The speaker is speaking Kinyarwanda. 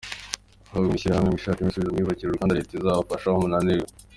Ahubwo mwishyire hamwe mwishakemo ibisubizo mwiyubakire uruganda Leta izabafashe aho munaniriwe.